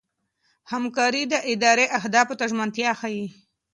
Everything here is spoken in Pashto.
همکاري د ادارې اهدافو ته ژمنتیا ښيي.